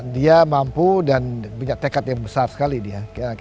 dia mampu dan punya tekad yang besar sekali dia